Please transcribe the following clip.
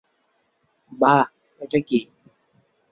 বাহ এটা কি?